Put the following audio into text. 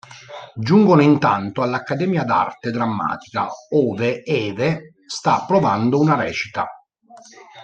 Giungono intanto all'Accademia d'Arte Drammatica, ove Eve sta provando una recita.